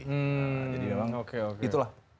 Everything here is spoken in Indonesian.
jadi memang itulah